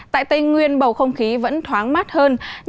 tại tây nguyên bầu không khí vẫn thoáng mát hơn